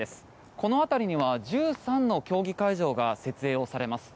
この辺りには１３の競技会場が設営されます。